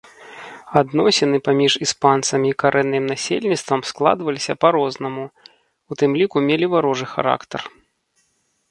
Адносіны паміж іспанцамі і карэнным насельніцтвам складваліся па-рознаму, у тым ліку мелі варожы характар.